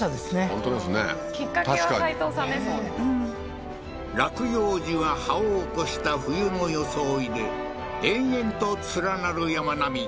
本当ですねきっかけは齋藤さんですもんね落葉樹が葉を落とした冬の装いで延々と連なる山並み